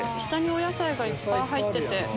下にお野菜がいっぱい入ってて。